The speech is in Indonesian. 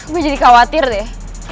gue jadi khawatir deh